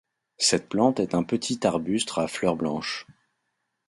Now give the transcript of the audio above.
Cette plante est un petit arbuste à fleurs blanches.